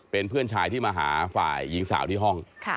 เป็นเพื่อนชายที่มาหาฝ่ายหญิงสาวที่ห้อง